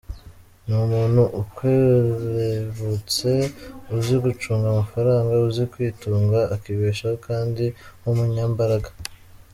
Ni umuntu ukerebutse uzi gucunga amafaranga, uzi kwitunga akibeshaho kandi w’umunyembaraga.